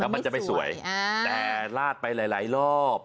มันจะไม่สวยแต่ลาดไปหลายรอบ